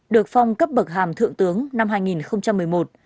được phong cấp bậc hàm thượng tướng năm hai nghìn một mươi một